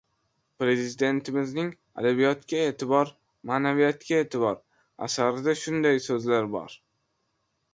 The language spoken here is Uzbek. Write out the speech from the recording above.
– Prezidentimizning “Adabiyotga e’tibor – ma’naviyatga e’tibor” asarida shunday so‘zlar bor: